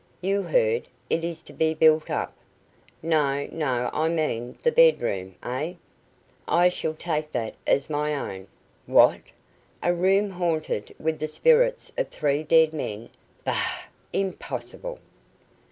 "You heard it is to be built up." "No, no; I mean the bedroom. Ugh!" "I shall take that as my own." "What? A room haunted with the spirits of three dead men! Bah! Impossible."